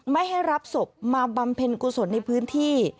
ไม่ให้รับศพมาบำเพ็ญกุศลในพื้นที่